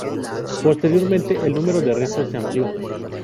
Posteriormente el número de restos se amplió.